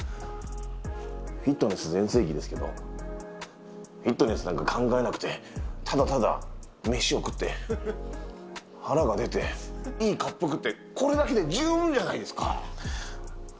フィットネス全盛期ですけど、フィットネスなんか考えなくて、ただただ飯を食って、腹が出て、いいかっぷくって、これだけで十分じゃないですか。